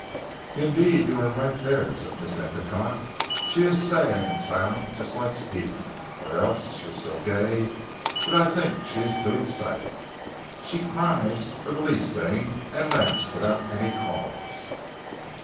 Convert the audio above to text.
"Indeed you are right there," said Miss Endicotte, "she is sad and silent just like Stephen. Or else she is so gay that I think she is too excited. She cries for the least thing, and laughs without any cause."